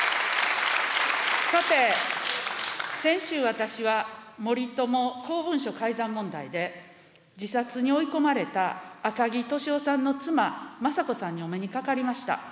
さて、先週、私は森友公文書改ざん問題で自殺に追い込まれた赤木俊夫さんの妻、雅子さんにお目にかかりました。